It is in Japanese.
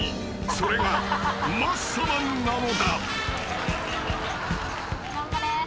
［それがマッサマンなのだ］